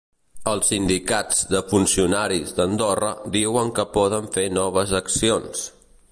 Els sindicats de funcionaris d’Andorra diuen que poden fer noves accions.